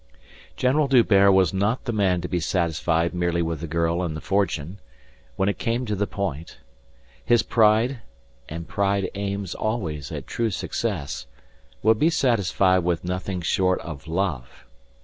General D'Hubert was not the man to be satisfied merely with the girl and the fortune when it came to the point. His pride and pride aims always at true success would be satisfied with nothing short of love.